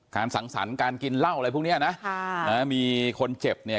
สังสรรค์การกินเหล้าอะไรพวกเนี้ยนะมีคนเจ็บเนี่ย